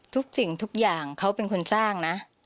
ทุกสิ่งทุกอย่างเขาเป็นคนสร้างนะ